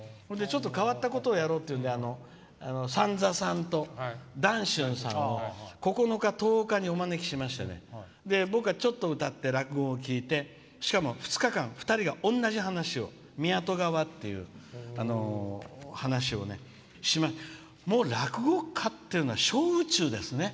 ちょっと変わったことをやろうと三三さんと談春さんと９日、１０日にお招きしまして僕は、ちょっと歌って２日間、同じ話を「宮戸川」という話をしまして落語家っていうのは勝負中ですね。